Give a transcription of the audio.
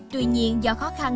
tuy nhiên do khó khăn